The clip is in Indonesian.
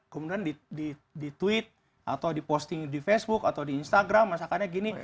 kemudian di tweet atau diposting di facebook atau di instagram masakannya gini